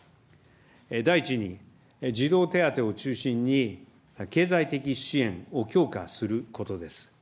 第１に、児童手当を中心に経済的支援を強化することです。